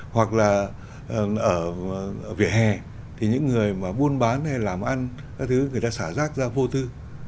hoặc là ở vỉa hè thì những người mà buôn bán hay làm ăn các thứ người ta xả rác ra vô tư